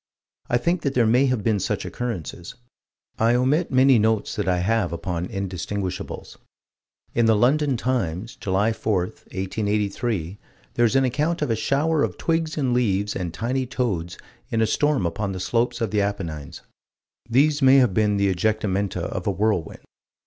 I think that there may have been such occurrences. I omit many notes that I have upon indistinguishables. In the London Times, July 4, 1883, there is an account of a shower of twigs and leaves and tiny toads in a storm upon the slopes of the Apennines. These may have been the ejectamenta of a whirlwind.